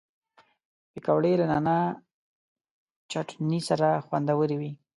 پکورې له نعناع چټني سره خوندورې وي